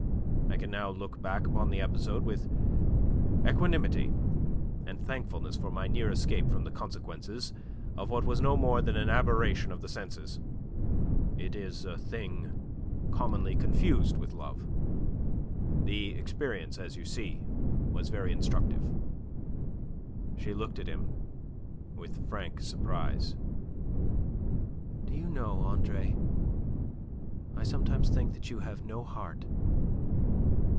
I can now look back upon the episode with equanimity and thankfulness for my near escape from the consequences of what was no more than an aberration of the senses. It is a thing commonly confused with love. The experience, as you see, was very instructive." She looked at him in frank surprise. "Do you know, Andre, I sometimes think that you have no heart."